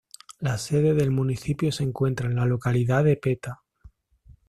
La sede del municipio se encuentra en la localidad de Peta.